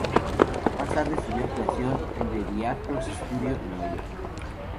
Más tarde estudió actuación en The Actors Studio en Nueva York.